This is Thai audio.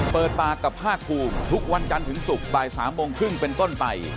เปิดปากกับภาคภูมิทุกวันจันทร์ถึงศุกร์บ่าย๓โมงครึ่งเป็นต้นไป